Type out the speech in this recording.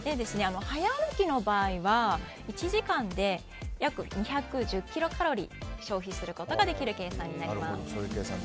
早歩きの場合は１時間で約２１０キロカロリー消費することができる計算です。